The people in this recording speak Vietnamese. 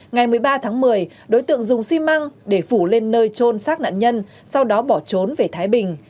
ngày một mươi ba tháng một mươi đối tượng dùng xi măng để phủ lên nơi trôn xác nạn nhân sau đó bỏ trốn về thái bình